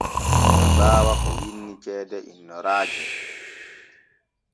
Ɓe baawa ko winni ceede innoraaje.